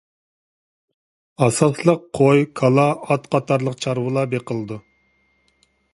ئاساسلىق قوي، كالا، ئات قاتارلىق چارۋىلار بېقىلىدۇ.